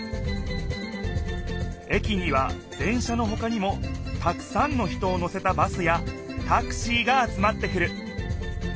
駅には電車のほかにもたくさんの人を乗せたバスやタクシーが集まってくる。